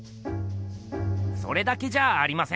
それだけじゃありません！